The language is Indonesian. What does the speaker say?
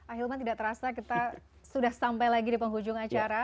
ahilman tidak terasa kita sudah sampai lagi di penghujung acara